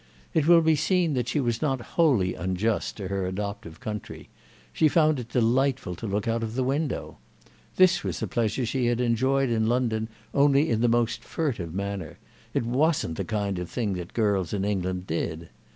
It will be seen that she was not wholly unjust to her adoptive country: she found it delightful to look out of the window. This was a pleasure she had enjoyed in London only in the most furtive manner; it wasn't the kind of thing that girls in England did.